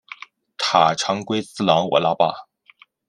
濑长龟次郎我那霸。